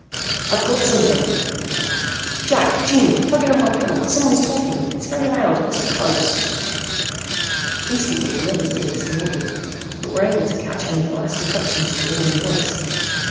"I've got something," he cried. "Jack. June. Plug in on my panel. Someone is talking. It's very loud. Must be close." Instantly the others did as he ordered, but were able to catch only the last inflections of a ringing voice.